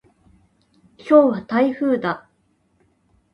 今日は台風だ。